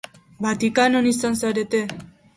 Vaticanoan izan zarete?